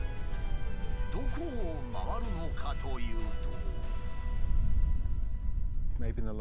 どこを回るのかというと。